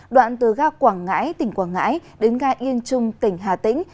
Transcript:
đoạn từ ga quảng ngãi tỉnh quảng ngãi đến ga yên trung tỉnh hà tĩnh